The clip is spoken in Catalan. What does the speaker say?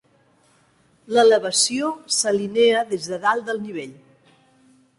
L'elevació s'alinea des de dalt del nivell.